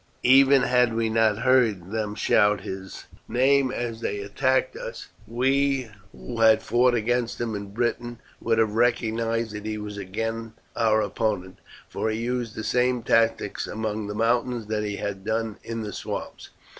Even had we not heard them shout his name as they attacked us, we who had fought against him in Britain would have recognized that he was again our opponent; for he used the same tactics among the mountains that he had done in the swamps.